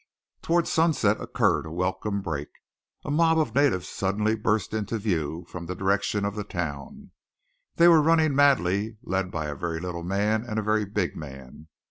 Toward sunset occurred a welcome break. A mob of natives suddenly burst into view, from the direction of town. They were running madly, led by a very little man and a very big man.